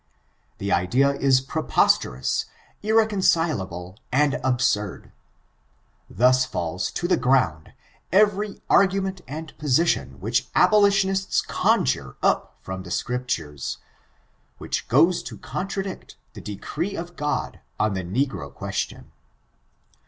The idea is preposterous, irreconcilable and absurd. Thus falls to the ground, every argument and position which abolitionists conjure up from the Scriptures, which goes to contradict the decree of God on the negro question.